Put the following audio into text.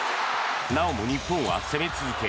なおも日本は攻め続け